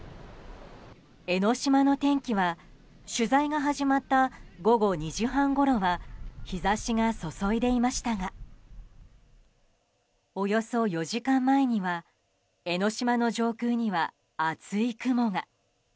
江の島の天気は取材が始まった午後２時半ごろは日差しが注いでいましたがおよそ４時間前には江の島の上空には厚い雲が。